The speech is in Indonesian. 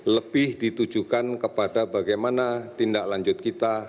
lebih ditujukan kepada bagaimana tindak lanjut kita